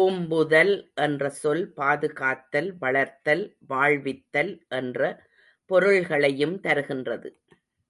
ஓம்புதல் என்ற சொல் பாதுகாத்தல், வளர்த்தல், வாழ்வித்தல் என்ற பொருள்களையும் தருகின்றது.